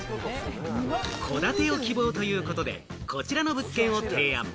戸建てを希望ということで、こちらの物件を提案。